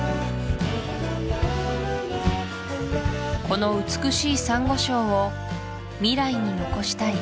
この美しいサンゴ礁を未来に残したい